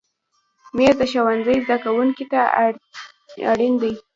مېز د ښوونځي زده کوونکي ته اړین دی.